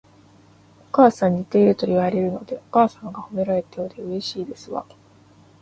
お母様に似ているといわれるので、お母様が褒められたようでうれしいですわ